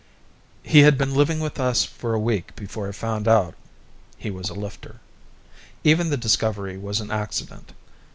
He had been living with us for a week before I found out he was a Lifter. Even the discovery was an accident.